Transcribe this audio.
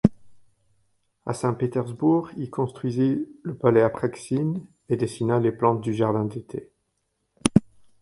À Saint-Pétersbourg, il construisit le palais Apraxine et dessina les plans du jardin d'été.